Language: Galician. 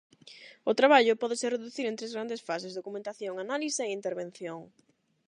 O traballo pódese reducir en tres grandes fases: documentación, análise e intervención.